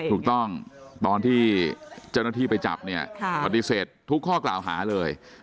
ถูกต้องตอนที่เจ้าหน้าที่ไปจับเนี่ยปฏิเสธทุกข้อกล่าวหาเลย